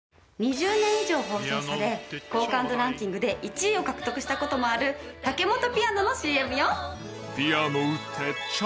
２０年以上放送され好感度ランキングで１位を獲得した事もあるタケモトピアノのＣＭよ。